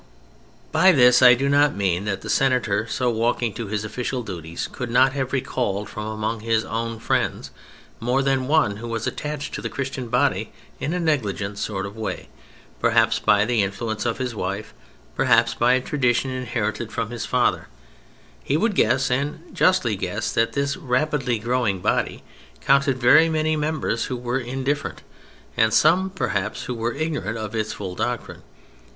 By this I do not mean that the Senator so walking to his official duties could not have recalled from among his own friends more than one who was attached to the Christian body in a negligent sort of way, perhaps by the influence of his wife, perhaps by a tradition inherited from his father: he would guess, and justly guess, that this rapidly growing body counted very many members who were indifferent and some, perhaps, who were ignorant of its full doctrine.